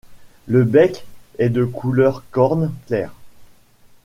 Le bec est de couleur corne clair.